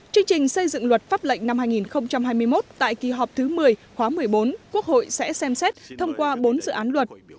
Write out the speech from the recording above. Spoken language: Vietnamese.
chương trình xây dựng luật pháp lệnh năm hai nghìn hai mươi một tại kỳ họp thứ một mươi khóa một mươi bốn quốc hội sẽ xem xét thông qua bốn dự án luật